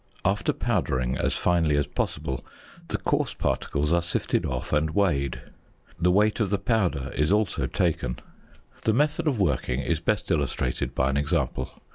After powdering as finely as possible, the coarse particles are sifted off and weighed. The weight of the powder is also taken. The method of working is best illustrated by an example.